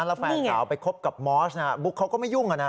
แล้วแฟนสาวไปคบกับมอสบุ๊กเขาก็ไม่ยุ่ง